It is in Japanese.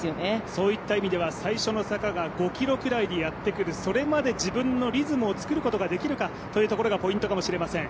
そういった意味では最初の坂が５ｋｍぐらいでやってくる、それまで自分のリズムを作ることができるかがポイントかもしれません。